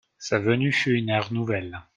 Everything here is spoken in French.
Sa venue fut une ère nouvelle.